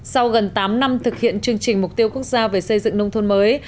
sau gần tám năm thực hiện chương trình mục tiêu quốc gia về xây dựng nông thôn mới